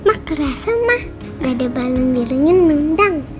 ma kerasa ma gak ada balang birunya nundang